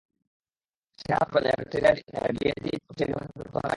সেখানে বাস করা ব্যাক্টেরিয়ার ডিএনএ দিয়েই পুকুরবাসী এলগির মাঝে পরিবর্তন আনা গেছে।